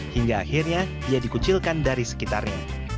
hingga akhirnya ia dikucilkan dari sekitarnya